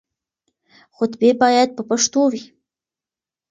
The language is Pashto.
خطبې بايد په پښتو وي.